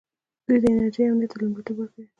دوی د انرژۍ امنیت ته لومړیتوب ورکوي.